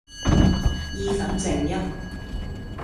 意粉剩一